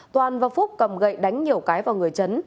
toàn và phúc cầm gậy đánh nhiều cái vào người chấn